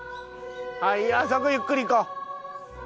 ああそこゆっくり行こう。